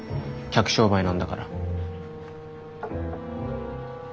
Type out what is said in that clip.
客商売なんだから。